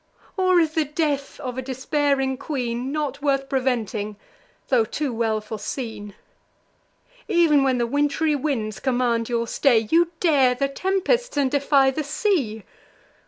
Or is the death of a despairing queen Not worth preventing, tho' too well foreseen? Ev'n when the wintry winds command your stay, You dare the tempests, and defy the sea.